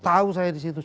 tahu saya disitu